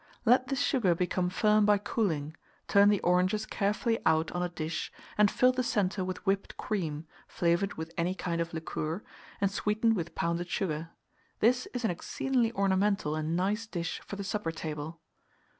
Let the sugar become firm by cooling; turn the oranges carefully out on a dish, and fill the centre with whipped cream, flavoured with any kind of liqueur, and sweetened with pounded sugar. This is an exceedingly ornamental and nice dish for the supper table.